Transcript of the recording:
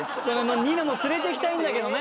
ニノも連れていきたいんだけどね